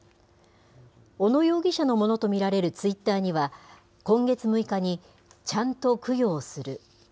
小野容疑者のものと見られるツイッターには、今月６日に、ちゃんと供養する。